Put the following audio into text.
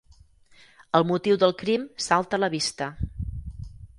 El motiu del crim salta a la vista.